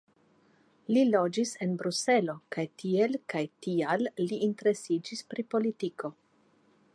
Li loĝis en Bruselo kaj tiel kaj tial li interesiĝis pri politiko.